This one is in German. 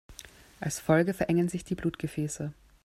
Als Folge verengen sich die Blutgefäße.